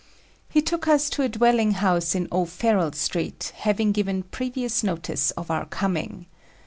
He took us to a dwelling house in O'Farrell street, having given previous notice of our coming.